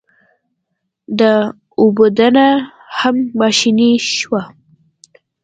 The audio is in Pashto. د اوبدنه هم ماشیني شوه.